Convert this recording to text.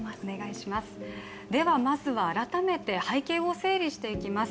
まずは改めて背景を整理していきます。